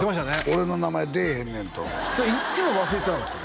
俺の名前出えへんねんといっつも忘れちゃうんですよ